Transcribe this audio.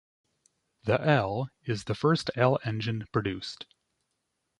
The L is the first L engine produced.